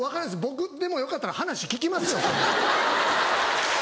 僕でもよかったら話聞きますよ。